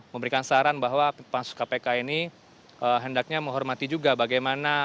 memberikan saran bahwa pansus kpk ini hendaknya menghormati juga bagaimana